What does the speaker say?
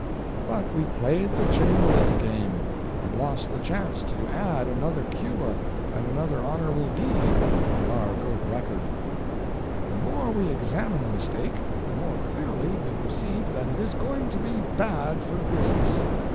But we played the Chamberlain game, and lost the chance to add another Cuba and another honorable deed to our good record. The more we examine the mistake, the more clearly we per ceive that it is going to be bad for the Business.